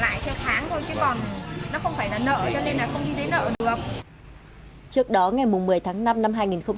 nhà mình cứ viết hút rồi lại trả lại theo tháng thôi chứ còn nó không phải là nợ cho nên là không đi tới nợ được